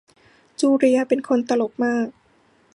จูเลียเป็นคนตลกมาก